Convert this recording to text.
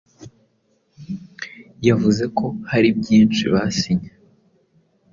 yavuze ko hari byinshi basinye